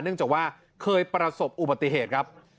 เนื่องจากว่าเคยประสบอุบัติเหตุครับ